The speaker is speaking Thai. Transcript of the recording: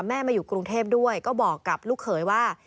มาอยู่กรุงเทพด้วยก็บอกกับลูกเขยว่า